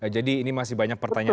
jadi ini masih banyak pertanyaan